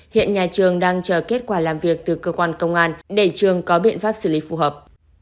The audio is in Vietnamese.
hiện nhà trường đang chờ kết quả làm việc từ cơ quan công an để trường có biện pháp xử lý phù hợp